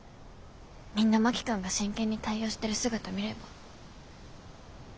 みんな真木君が真剣に対応してる姿見れば。